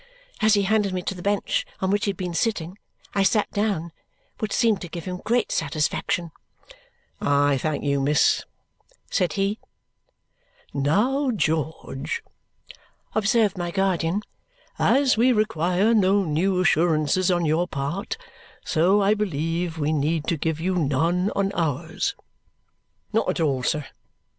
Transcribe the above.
As he handed me to the bench on which he had been sitting, I sat down, which seemed to give him great satisfaction. "I thank you, miss," said he. "Now, George," observed my guardian, "as we require no new assurances on your part, so I believe we need give you none on ours." "Not at all, sir.